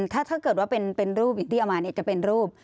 ถ้าเกิดว่าเป็นรูปอย่างที่เอามาเนี่ยจะเป็นรูป